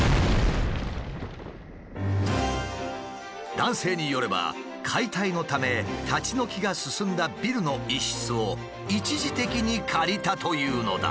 男性によれば解体のため立ち退きが進んだビルの一室を一時的に借りたというのだ。